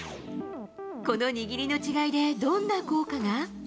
この握りの違いで、どんな効果が？